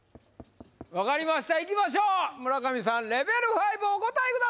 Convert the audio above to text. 分かりましたいきましょう村上さんレベル５お答え